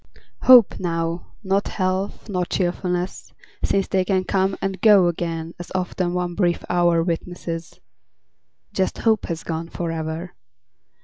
Hope now, not health nor cheerfulness, Since they can come and go again, As often one brief hour witnesses, Just hope has gone forever.